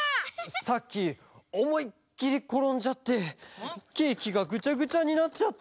さっきおもいっきりころんじゃってケーキがぐちゃぐちゃになっちゃった。